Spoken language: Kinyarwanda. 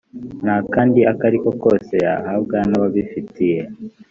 n akandi ako ariko kose yahabwa n ababifitiye